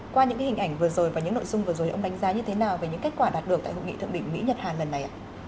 qua những hình ảnh vừa rồi và những nội dung vừa rồi ông đánh giá như thế nào về những kết quả đạt được tại hội nghị thượng đỉnh mỹ nhật hàn lần này ạ